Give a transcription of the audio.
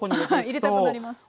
入れたくなります。